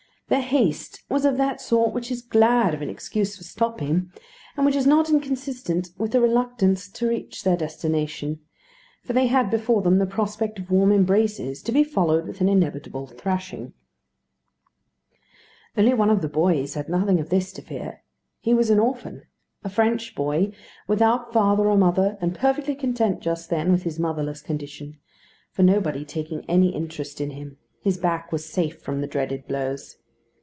Their haste was of that sort which is glad of an excuse for stopping, and which is not inconsistent with a reluctance to reach their destination; for they had before them the prospect of warm embraces, to be followed with an inevitable thrashing. One only of the boys had nothing of this to fear. He was an orphan: a French boy, without father or mother, and perfectly content just then with his motherless condition; for nobody taking any interest in him, his back was safe from the dreaded blows.